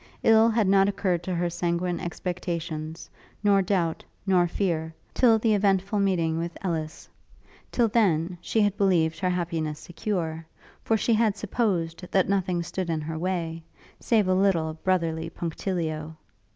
Ill had not occurred to her sanguine expectations, nor doubt, nor fear, till the eventful meeting with Ellis: till then, she had believed her happiness secure, for she had supposed that nothing stood in her way, save a little brotherly punctilio.